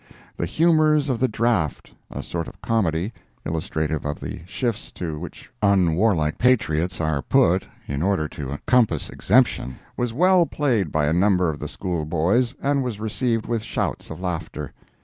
"The Humors of the Draft," a sort of comedy, illustrative of the shifts to which unwarlike patriots are put in order to compass exemption, was well played by a number of the School boys, and was received with shouts of laughter.